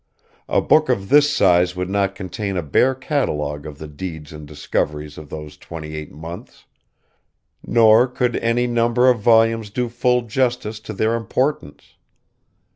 A book of this size would not contain a bare catalogue of the deeds and discoveries of those twenty eight months; nor could any number of volumes do full justice to their importance.